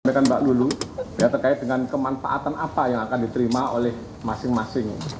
sampaikan mbak lulu ya terkait dengan kemanfaatan apa yang akan diterima oleh masing masing